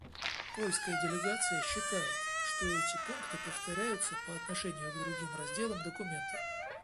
Польская делегация считает, что эти пункты повторяются по отношению к другим разделам документа.